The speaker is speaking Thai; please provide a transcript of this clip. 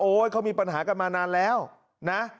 เขามีปัญหากันมานานแล้วนะ